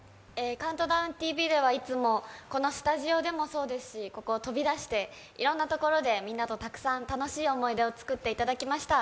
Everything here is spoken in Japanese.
「ＣＤＴＶ」では、いつもこのスタジオでもそうですしここを飛び出していろんなところでみんなとたくさん楽しい思い出を作っていただきました。